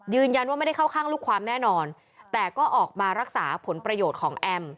ไม่ได้เข้าข้างลูกความแน่นอนแต่ก็ออกมารักษาผลประโยชน์ของแอม